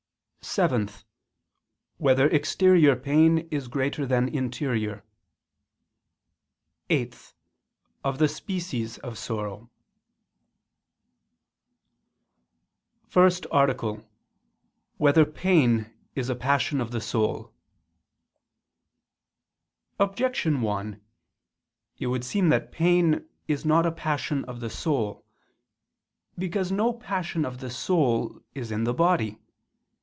(7) Whether exterior pain is greater than interior? (8) Of the species of sorrow. ________________________ FIRST ARTICLE [I II, Q. 35, Art. 1] Whether Pain Is a Passion of the Soul? Objection 1: It would seem that pain is not a passion of the soul. Because no passion of the soul is in the body.